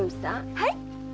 はい？